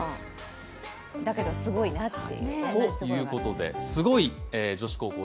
だけどすごいなと。